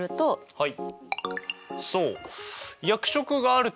はい。